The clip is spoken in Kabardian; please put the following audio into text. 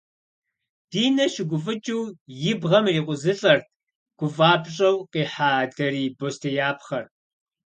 Динэ щыгуфӏыкӏыу и бгъэм ирикъузылӏэрт гуфӏапщӏэу къихьа дарий бостеяпхъэр.